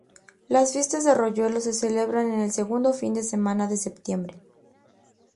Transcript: Las fiestas de Arroyuelo se celebran el segundo fin de semana de septiembre.